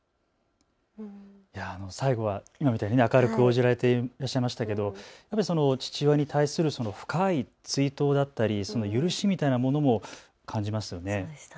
最後は今みたいに明るく応じられていらっしゃいましたけど、父親に対する深い追悼だったり許しみたいなものも感じますよね。